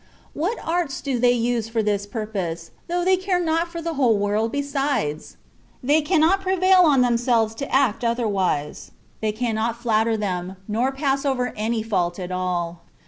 "What arts do they use for this purpose, though they care not for the whole world besides ! They cannot pre vail on themselves to act otherwise — they cannot D 2 36 THE WAY OF PERFECTION* flatter them, nor pass over any fault at all.